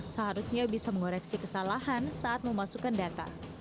seharusnya bisa mengoreksi kesalahan saat memasukkan data